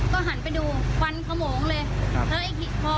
ก็หันไปดูควันขโมงเลย